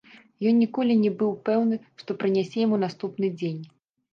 Ён ніколі не быў пэўны, што прынясе яму наступны дзень.